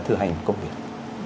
thử hành công việc